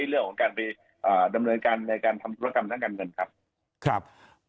เรื่องของการไปดำเนินการในการทำธุรกรรมทางการเงินครับ